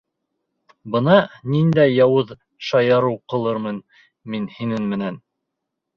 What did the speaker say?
Бына ниндәй яуыз шаярыу ҡылырмын мин һинең менән.